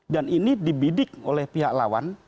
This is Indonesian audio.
dan ini dibidik oleh pihak lawan